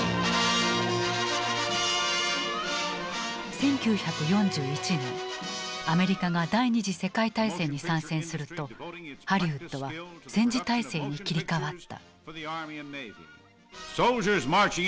１９４１年アメリカが第２次世界大戦に参戦するとハリウッドは戦時体制に切り替わった。